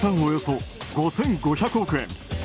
およそ５５００億円。